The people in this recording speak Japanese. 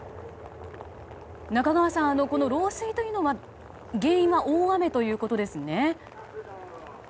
中川さん、この漏水の原因は大雨ということですね？